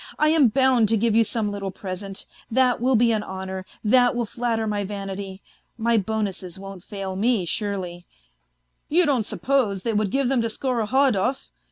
I am bound to give you some little present, that will be an honour, that will flatter my vanity. ... My bonuses won't fail me, surely ; you don't suppose they would give them to Skorohodov ?